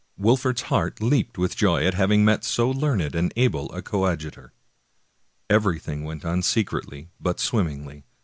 Wolfert's heart leaped with joy at having met with so learned and able a coadjutor. Everything went on secretly but swimmingly.